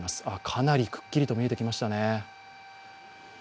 かなりくっきりと見えてきましたね。